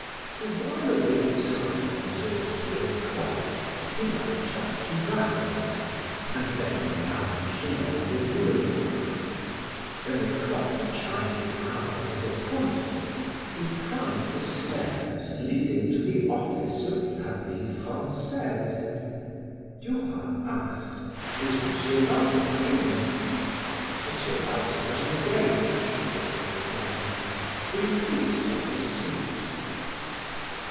To while away the time until three o'clock, he lunched at Duval's, and then lounged along the boulevard. When the clock chimed the hour of his appointment, he climbed the stairs leading to the office of "La Vie Francaise." Duroy asked: "Is M. Walter in?" "M. Walter is engaged," was the reply. "Will you please take a seat?"